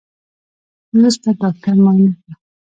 وروسته ډاکتر معاينه کړم.